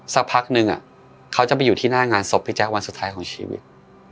สักพักนึงเขาจะไปอยู่ที่หน้างานศพพี่แจ๊ควันสุดท้ายของชีวิต